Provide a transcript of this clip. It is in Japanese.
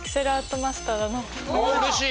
おうれしい！